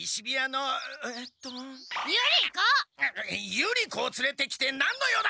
ユリコをつれてきて何の用だ！